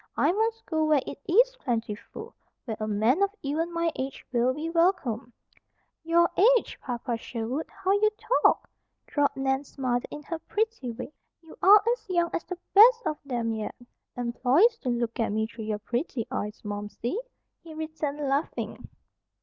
I must go where it is plentiful, where a man of even my age will be welcome." "Your age, Papa Sherwood! How you talk," drawled Nan's mother in her pretty way. "You are as young as the best of 'em yet." "Employers don't look at me through your pretty eyes, Momsey," he returned, laughing.